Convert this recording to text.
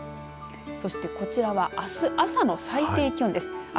そしてこちらは、あす朝の最低気温です。